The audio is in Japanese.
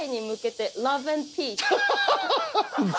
ハハハハ！